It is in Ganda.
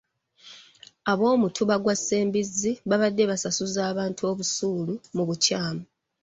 Ab'omutuba gwa Ssembizzi babadde basasuza abantu busuulu mu bukyamu.